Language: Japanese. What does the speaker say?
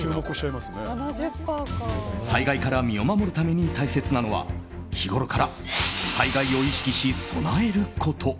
災害から身を守るために大切なのは日ごろから災害を意識し備えること。